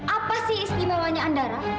apa sih istimewanya andara